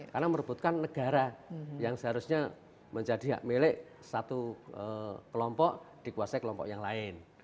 karena merebutkan negara yang seharusnya menjadi hak milik satu kelompok dikuasai kelompok yang lain